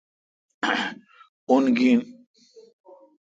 اؙن گین۔